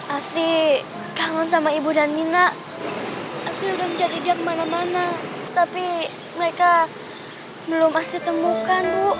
asri kangen sama ibu dan nina asri sudah mencari dia kemana mana tapi mereka belum asri temukan bu